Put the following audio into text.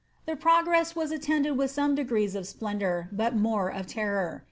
The progress was attended with some degree of splendour, but more of terror.